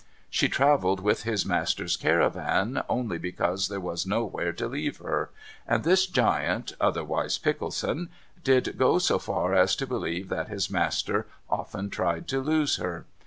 She travelled with his master's caravan only because there was nowhere to leave her, and this giant, otherwise Pickleson, did go so far as to believe that his master often tried to lose her.